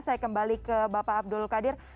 saya kembali ke bapak abdul qadir